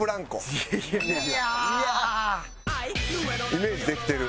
イメージできてる。